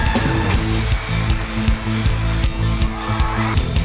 โปรดติดตามต่อไป